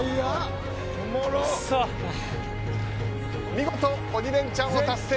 見事、鬼レンチャンを達成。